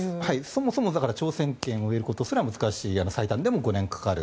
そもそも挑戦権を得ることすら難しい最短でも５年かかる。